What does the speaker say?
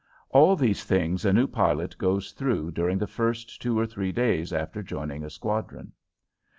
All these things a new pilot goes through during the first two or three days after joining a squadron.